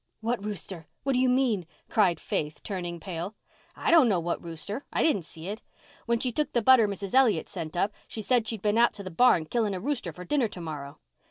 "What rooster? What do you mean?" cried Faith, turning pale. "I don't know what rooster. I didn't see it. When she took the butter Mrs. Elliott sent up she said she'd been out to the barn killing a rooster for dinner tomorrow."